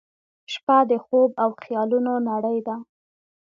• شپه د خوب او خیالونو نړۍ ده.